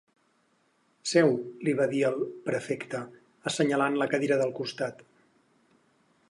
Seu —li va dir el prefecte, assenyalant la cadira del costat.